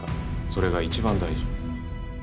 それが一番大事。